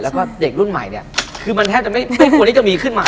และก็เด็กรุ่นใหม่คือมันแทบจะไม่ควรจะมีขึ้นมา